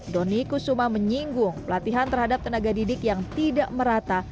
doni kusuma menyinggung pelatihan terhadap tenaga didik yang tidak merata